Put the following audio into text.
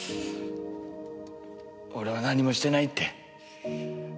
俺は何もしてないって。